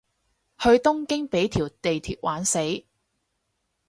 去東京畀條地鐵玩死